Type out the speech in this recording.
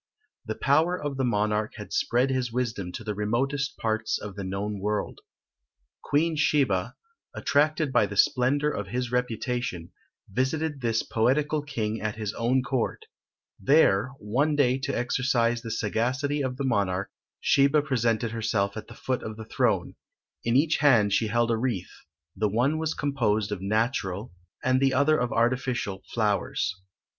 The power of the monarch had spread his wisdom to the remotest parts of the known world. Queen Sheba, attracted by the splendour of his reputation, visited this poetical king at his own court; there, one day to exercise the sagacity of the monarch, Sheba presented herself at the foot of the throne: in each hand she held a wreath; the one was composed of natural, and the other of artificial, flowers.